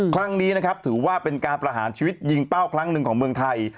ครั้งนี้นะครับถือว่าเป็นการประหารชีวิตยิงเป้าครั้งหนึ่งของเมืองไทย